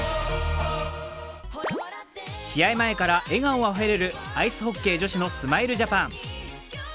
試合前から笑顔あふれるアイスホッケー女子スマイルジャパン。